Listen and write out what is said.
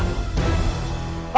aku tidak mau seperti ini kakak